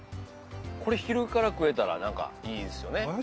これ昼から食えたらなんかいいですよね。